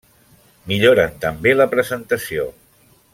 Milloren també la presentació.